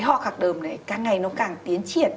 ho khạc đờm này càng ngày nó càng tiến triển